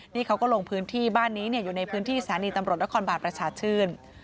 นี่เขาก็ลงพื้นที่บ้านนี้อยู่ในพื้นที่สถานีตำรวจนครบาลประชาชื่น